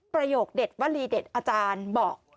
ประโยคเด็ดวลีเด็ดอาจารย์บอก